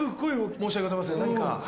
申し訳ございません何か？